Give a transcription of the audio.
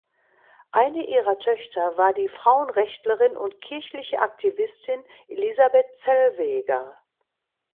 Eine ihrer Töchter war die Frauenrechtlerin und kirchliche Aktivistin Elisabeth Zellweger.